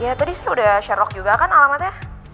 ya tadi saya udah share rock juga kan alamatnya